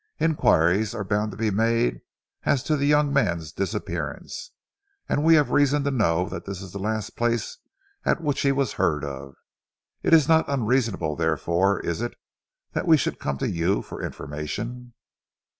Enquiries are bound to be made as to the young man's disappearance, and we have reason to know that this is the last place at which he was heard of. It is not unreasonable, therefore, is it, that we should come to you for information?"